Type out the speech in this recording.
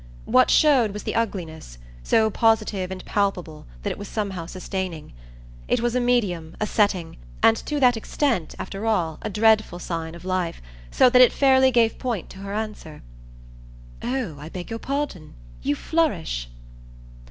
What showed was the ugliness so positive and palpable that it was somehow sustaining. It was a medium, a setting, and to that extent, after all, a dreadful sign of life; so that it fairly gave point to her answer. "Oh I beg your pardon. You flourish."